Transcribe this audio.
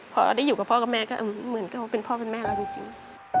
พอเราได้อยู่กับพ่อกับแม่ก็เหมือนกับว่าเป็นพ่อเป็นแม่เราจริง